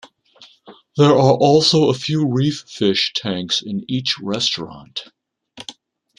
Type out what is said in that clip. There are also a few reef fish tanks in each restaurant.